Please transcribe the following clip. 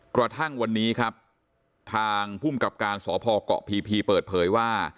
กระทั่งวันนี้ครับทางภูมิกับการสพเกาะพีพีเปิดเผยว่า